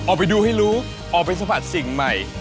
ออกไปดูให้รู้ออกไปสัมผัสสิ่งใหม่